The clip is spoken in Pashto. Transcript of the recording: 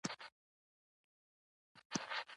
ویښتان یې سره او سترګې یې شنې دي.